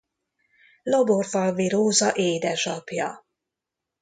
Laborfalvi Róza édesapja.